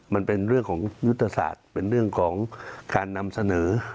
มันเป็นเรื่องของยุทธศาสตร์เป็นเรื่องของการนำเสนอ